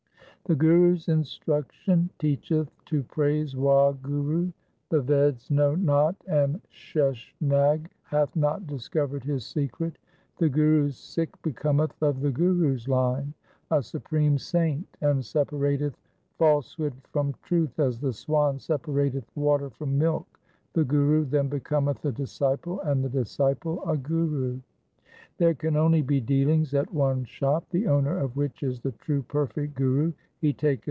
1 The Guru's instruction teacheth to praise Wahguru. The Veds know not and Sheshnag hath not discovered His secret. 2 The Guru's Sikh becometh of the Guru's line, a supreme saint, and separateth falsehood from truth as the swan separateth water from milk. 3 The Guru then becometh a disciple and the disciple a Guru. 4 There can only be dealings at one shop, the owner of which is the true perfect Guru.